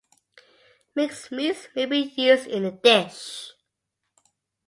Mixed meats may be used in the dish.